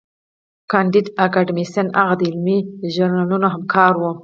کانديد اکاډميسن هغه د علمي ژورنالونو همکار و.